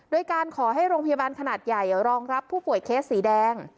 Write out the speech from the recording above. โดยการขอให้โรงพยาบาลขนาดใหญ่รองรับผู้ป่วยเคสสีแดง